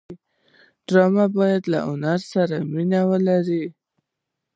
ډرامه باید له هنر سره مینه ولري